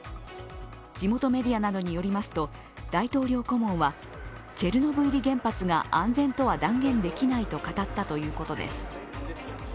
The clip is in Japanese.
地元メディアなどによりますと大統領顧問はチェルノブイリ原発が安全とは断言できないと語ったということです。